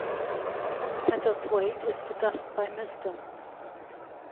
Satterthwaite ist zu Gast bei Mr.